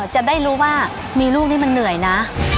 จะได้รู้ว่ามีลูกนี่มันเหนื่อยนะ